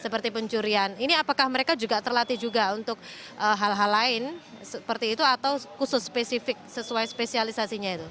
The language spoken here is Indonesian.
seperti pencurian ini apakah mereka juga terlatih juga untuk hal hal lain seperti itu atau khusus spesifik sesuai spesialisasinya itu